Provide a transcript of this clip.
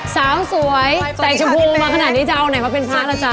สาวสวยแตกชมพูมาขนาดนี้จะเอาไหนเพราะเป็นพระแล้วจ๊ะ